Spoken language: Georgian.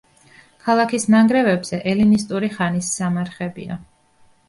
ქალაქის ნანგრევებზე ელინისტური ხანის სამარხებია.